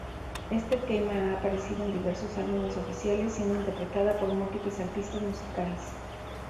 Este tema ha aparecido en diversos álbumes oficiales, siendo interpretada por múltiples artistas musicales.